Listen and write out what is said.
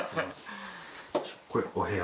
これお部屋。